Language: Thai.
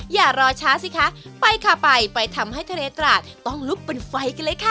อย่ารอช้าสิคะไปค่ะไปไปทำให้ทะเลตราดต้องลุกเป็นไฟกันเลยค่ะ